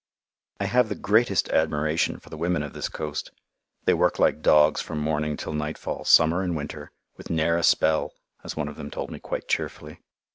I have the greatest admiration for the women of this coast. They work like dogs from morning till nightfall, summer and winter, with "ne'er a spell," as one of them told me quite cheerfully.